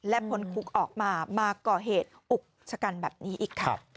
และพ้นคุกออกมามาก่อเหตุอุกชะกันแบบนี้อีกค่ะ